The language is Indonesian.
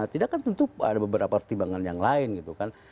tidak kan tentu ada beberapa pertimbangan yang lain gitu kan